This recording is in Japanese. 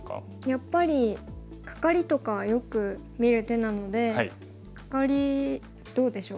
やっぱりカカリとかよく見る手なのでカカリどうでしょうか？